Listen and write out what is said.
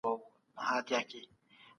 څه ډول هنر موږ له خپلو منفي احساساتو لري کوي؟